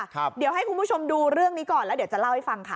เดี๋ยวให้คุณผู้ชมดูเรื่องนี้ก่อนแล้วเดี๋ยวจะเล่าให้ฟังค่ะ